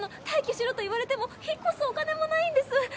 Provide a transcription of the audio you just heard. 退去しろと言われても引っ越すお金もないんです。